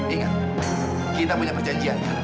ingat kita punya perjanjian